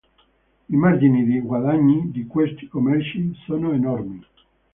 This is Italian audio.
I margini di guadagni di questi commerci sono enormi.